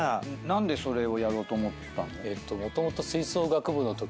何でそれをやろうと思ったの？